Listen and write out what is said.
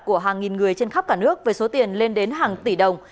của hàng nghìn người trên khắp cả nước với số tiền lên đến hàng tỷ đồng